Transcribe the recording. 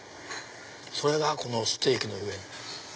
それがこのステーキの上に。